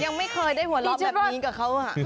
ยังไม่เคยได้หัวเราะแบบนี้กับเขา